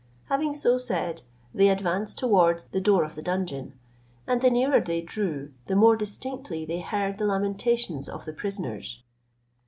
Having so said, they advanced towards the door of the dungeon, and the nearer they drew, the more distinctly they heard the lamentations of the prisoners.